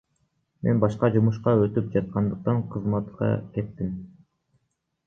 Мен башка жумушка өтүп жаткандыктан кызматтан кеттим.